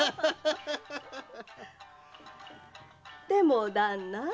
でも旦那。